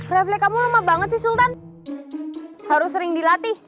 refli kamu lemah banget sih sultan harus sering dilatih